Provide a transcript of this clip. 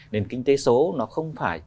nền kinh tế số nó không phải